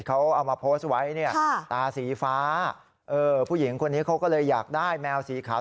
เขาเอามาโพสต์ไว้เนี่ยตาสีฟ้าผู้หญิงคนนี้เขาก็เลยอยากได้แมวสีขาว